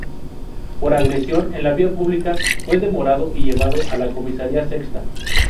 Por agresión en la vía pública, fue demorado y llevado a la comisaría sexta.